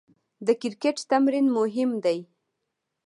د کرکټ تمرین مهم دئ.